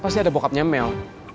pasti ada bokapnya mel